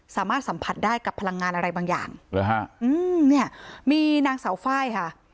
สามารถสัมผัสได้กับพลังงานอะไรบางอย่างหรือฮะอืมเนี่ยมีนางเสาไฟล์ค่ะ